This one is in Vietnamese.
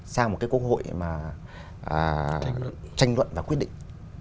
sang một cái quốc hội mà tranh luận và quyết định